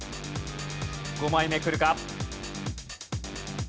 ５枚目くるか？